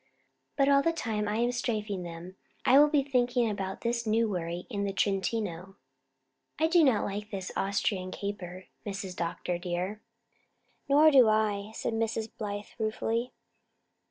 But all the time I am strafing them I will be thinking about this new worry in the Trentino. I do not like this Austrian caper, Mrs. Dr. dear." "Nor I," said Mrs. Blythe ruefully.